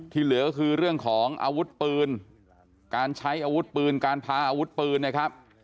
เหลือก็คือเรื่องของอาวุธปืนการใช้อาวุธปืนการพาอาวุธปืนนะครับ